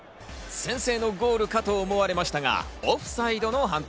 先制のゴールかと思われましたが、オフサイドの判定。